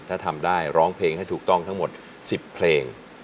ถ้าทำได้ร้องเพลงให้ถูกต้องทั้งหมด๑๐เพลง